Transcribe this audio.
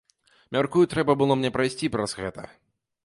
Мяркую, трэба было мне прайсці праз гэта.